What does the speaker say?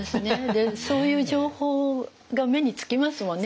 でそういう情報が目につきますもんね。